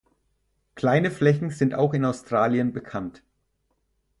Kleine Flächen sind auch in Australien bekannt.